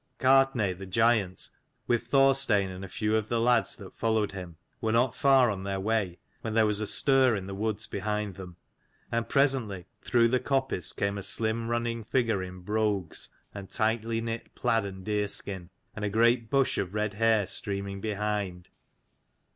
Gartnaidh the giant, with Thorstein and a few of the lads that followed him, were not far on their way, when there was a stir in the woods behind them, and presently through the coppice came a slim running figure, in brogues and tightly knit plaid and deer skin, and a great bush of red hair streaming behind.